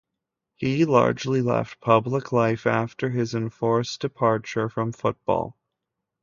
He largely left public life after his enforced departure from football.